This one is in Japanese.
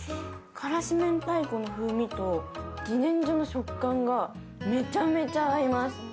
からしめんたいこの風味とじねんじょの食感がめちゃめちゃ合います。